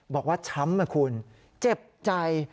บอกว่าช้ำนะคุณเจ็บใจ